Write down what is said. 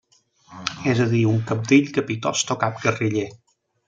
És a dir, un cabdill, capitost o cap guerriller.